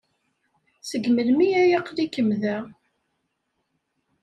Seg melmi ay aql-ikem da?